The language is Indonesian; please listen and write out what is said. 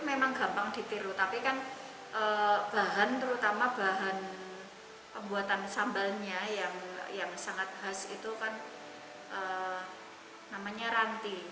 memang gampang ditiru tapi kan bahan terutama bahan pembuatan sambalnya yang sangat khas itu kan namanya ranti